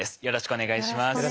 よろしくお願いします。